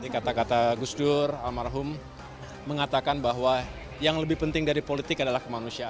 kata kata gus dur almarhum mengatakan bahwa yang lebih penting dari politik adalah kemanusiaan